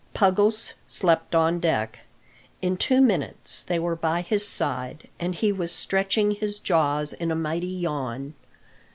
Puggles slept on deck. In two minutes they were by his side, and he was stretching his jaws in a mighty yawn.